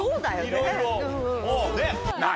いろいろ。